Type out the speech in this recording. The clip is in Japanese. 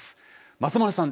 松丸さん。